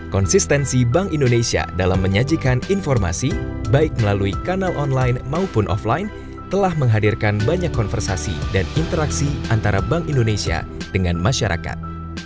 konsistensi bank indonesia dalam menyajikan informasi baik melalui kanal online maupun offline telah menghadirkan banyak konversasi dan interaksi antara bank indonesia dengan masyarakat